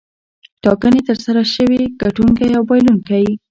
ټاکنې ترسره شوې ګټونکی او بایلونکی.